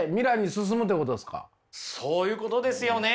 そういうことですよね。